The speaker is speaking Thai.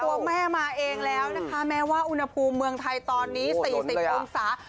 ตัวแม่มาเองแล้วนะคะแม้ว่าอุณหภูมิเมืองไทยตอนนี้๔๐องศา